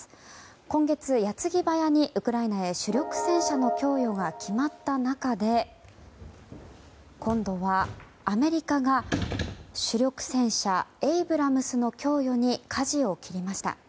今月、矢継ぎ早にウクライナへ主力戦車の供与が決まった中で今度は、アメリカが主力戦車エイブラムスの供与にかじを切りました。